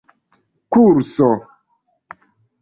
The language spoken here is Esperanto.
kurso